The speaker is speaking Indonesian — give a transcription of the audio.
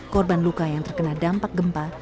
korban luka yang terkena dampak gempa